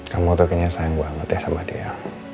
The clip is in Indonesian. kamu tuh kenya sayang banget ya sama dia